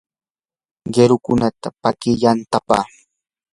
qirukunata paki yantapaq.